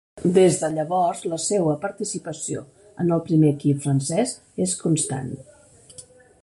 Des de llavors la seua participació en el primer equip francès és constant.